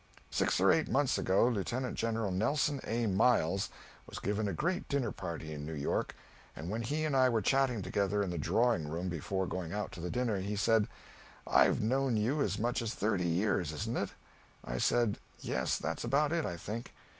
Six or eight months ago, Lieutenant General Nelson A. Miles was given a great dinner party in New York, and when he and I were chatting together in the drawing room before going out to dinner he said, "I've known you as much as thirty years, isn't it?" I said, "Yes, that's about it, I think."